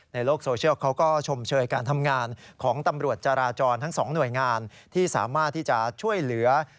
ในโลกโซเชียลเขาก็ชมเชยการทำงานของตำรวจจาราจรทั้งสองหน่วยงานที่สามารถที่จะช่วยเหลือ